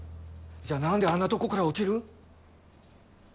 じゃあ何であんなとこから落ちる。